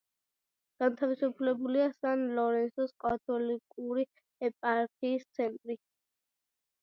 განთავსებულია სან-ლორენსოს კათოლიკური ეპარქიის ცენტრი.